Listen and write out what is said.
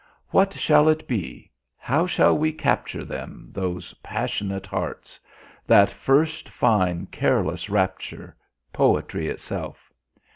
"What shall it be? How shall we capture them, those passionate hearts? That first fine careless rapture? Poetry itself."